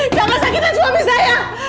jangan sakitkan suami saya